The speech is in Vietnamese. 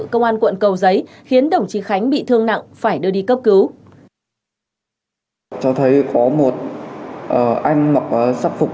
công an quận cầu giấy khiến đồng chí khánh bị thương nặng phải đưa đi cấp cứu